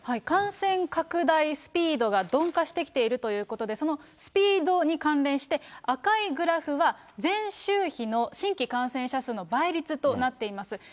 感染拡大スピードが鈍化してきているということで、そのスピードに関連して、赤いグラフは前週比の新規感染者数の倍率となっています。